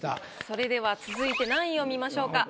それでは続いて何位を見ましょうか？